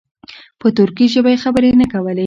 په ترکي ژبه یې خبرې نه کولې.